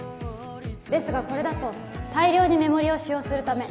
ですがこれだと大量にメモリを使用するため